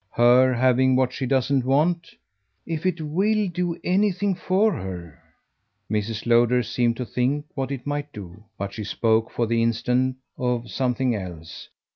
"Her having what she does want?" "If it WILL do anything for her." Mrs. Lowder seemed to think what it might do; but she spoke for the instant of something else.